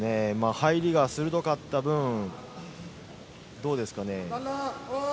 入りが鋭かった分どうですかね。